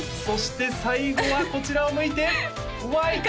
そして最後はこちらを向いてＹ！